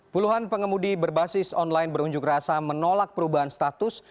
puluhan pengemudi berbasis online berunjuk rasa menolak perubahan status